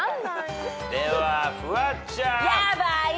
ではフワちゃん。